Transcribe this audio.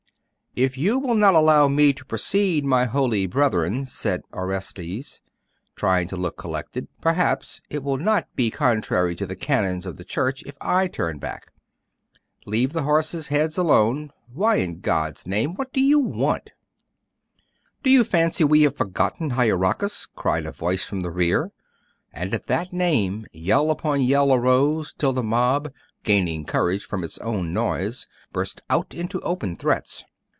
'If you will not allow me to proceed, my holy brethren,' said Orestes, trying to look collected, 'perhaps it will not be contrary to the canons of the Church if I turn back. Leave the horses' heads alone. Why, in God's name, what do you want?' 'Do you fancy we have forgotten Hieracas?' cried a voice from the rear; and at that name, yell upon yell arose, till the mob, gaining courage from its own noise, burst out into open threats.